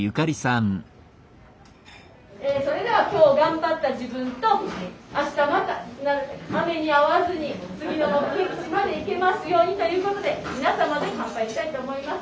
えそれでは今日頑張った自分とあしたまた雨にあわずに次の目的地まで行けますようにということで皆様で乾杯したいと思います。